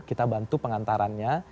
kita bantu pengantarannya